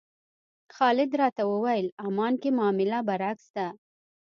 خالد راته وویل عمان کې معامله برعکس ده.